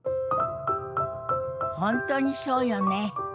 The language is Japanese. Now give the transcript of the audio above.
本当にそうよね。